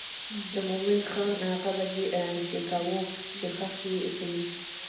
د مومن خان قبر یې پرېکاوه چې ښخ یې کړي.